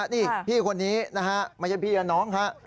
นี่ผู้นี้มายบียะน้องค่ะ